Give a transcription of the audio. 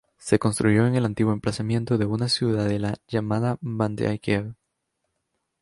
Se construyó en el antiguo emplazamiento de una ciudadela llamada "Banteay Kev".